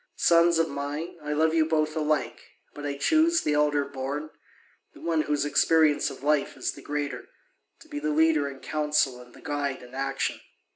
Sons of mine, I love you both alike, but I choose the elder born, the one whose experience of life is the greater, to be the leader in council and the guide in action.